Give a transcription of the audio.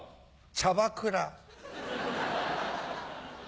チャバクラ。